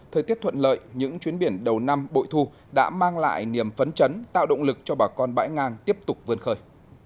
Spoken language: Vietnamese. thời tiết thuận lợi những chuyến biển đầu năm bội thu đã mang lại niềm phấn chấn tạo động lực cho bà con bãi ngang tiếp tục vươn khơi